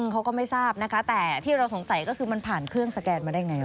เขาก็ไม่ทราบนะคะแต่ที่เราสงสัยก็คือมันผ่านเครื่องสแกนมาได้ไง